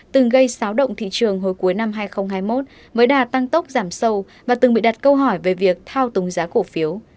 từng gây xáo động thị trường hồi cuối năm hai nghìn hai mươi một với đà tăng tốc giảm sâu và từng bị đặt câu hỏi về việc thao túng giá cổ phiếu